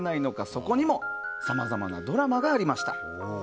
そこにもさまざまなドラマがありました。